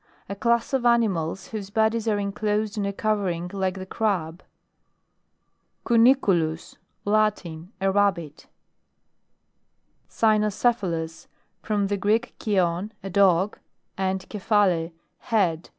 A class of animals whose bodies are inclosed in a covering, like the crab. CUNICULUS. Latin. A nbbit. CVNOCEPHALUS. From the Greek, kvon, a dog, and kephale, head.